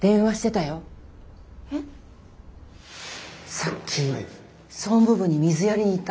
さっき総務部に水やりに行ったの。